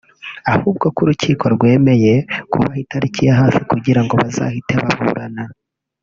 ahubwo ko urukiko rwemeye kubaha itariki ya hafi kugira ngo bazahite baburana